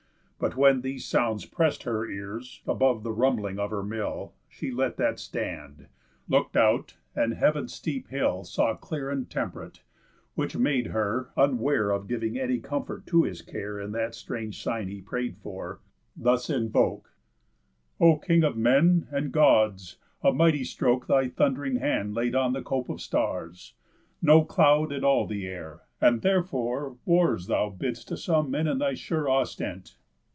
But when these sounds prest Her ears, above the rumbling of her mill, She let that stand, look'd out, and heav'n's steep hill Saw clear and temp'rate; which made her (unware Of giving any comfort to his care In that strange sign he pray'd for) thus, invoke: "O King of men and Gods, a mighty stroke Thy thund'ring hand laid on the cope of stars, No cloud in all the air; and therefore wars Thou bidst to some men in thy sure ostent!